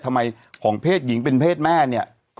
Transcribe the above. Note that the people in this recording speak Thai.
ของเพศหญิงเป็นเพศแม่เนี่ย